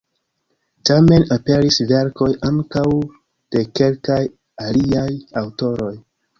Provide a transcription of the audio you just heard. Tamen aperis verkoj ankaŭ de kelkaj aliaj aŭtoroj.